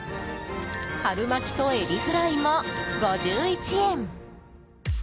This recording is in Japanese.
春巻きとエビフライも５１円。